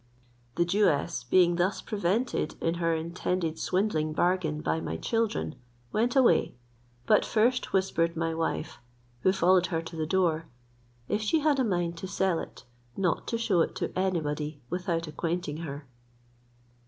The Jewess being thus prevented in her intended swindling bargain by my children, went away, but first whispered my wife, who followed her to the door, if she had a mind to sell it, not to shew it to anybody without acquainting her.